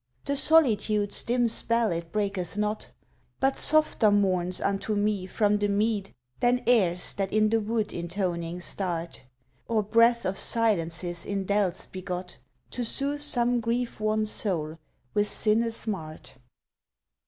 The solitude's dim spell it breaketh not, But softer mourns unto me from the mead Than airs that in the wood intoning start, Or breath of silences in dells begot To soothe some grief wan soul with sin a smart.